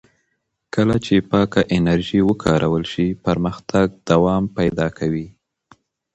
کله چې پاکه انرژي وکارول شي، پرمختګ دوام پیدا کوي.